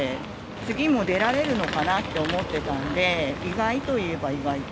次も出られるのかなって思ってたんで、意外といえば意外。